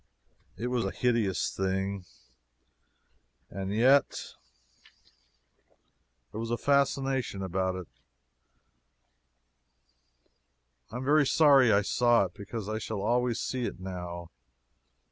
It was a hideous thing, and yet there was a fascination about it some where. I am very sorry I saw it, because I shall always see it now.